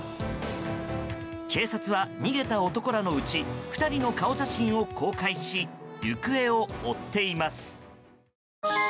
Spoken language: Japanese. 警察は逃げた男らのうち２人の顔写真を公開し行方を追っています。